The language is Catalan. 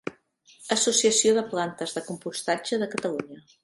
Associació de plantes de compostatge de Catalunya.